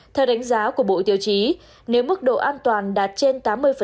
theo đánh giá của bộ tiêu chí nếu mức độ an toàn đạt trên tám mươi